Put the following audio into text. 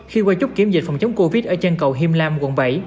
khi qua chốt kiểm dịch phòng chống covid ở chân cầu hiêm lam quận bảy